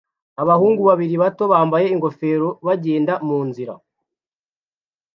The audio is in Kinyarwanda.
Abahungu babiri bato bambaye ingofero bagenda munzira